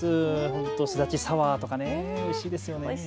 本当にスダチサワーとかおいしいですよね。